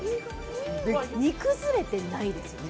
煮崩れてないですよね？